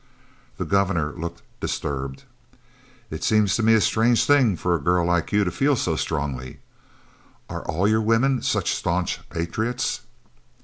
The Governor looked disturbed. "It seems to me a strange thing for a girl like you to feel so strongly. Are all your women such staunch patriots?"